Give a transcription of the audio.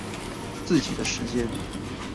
自己的時間